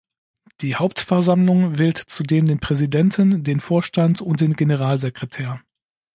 Die Hauptversammlung wählt zudem den Präsidenten, den Vorstand und den Generalsekretär.